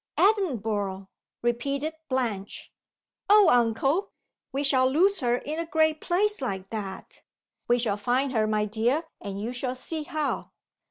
"Edinburgh!" repeated Blanche. "Oh, uncle! we shall lose her in a great place like that!" "We shall find her, my dear; and you shall see how.